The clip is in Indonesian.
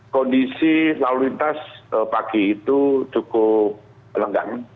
kondisi lalu lintas pagi itu cukup lenggang